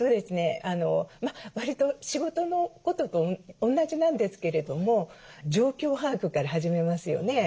わりと仕事のことと同じなんですけれども状況把握から始めますよね。